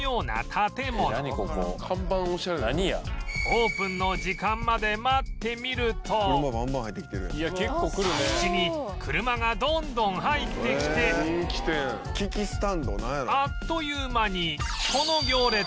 オープンの時間まで待ってみると空き地に車がどんどん入ってきてあっという間にこの行列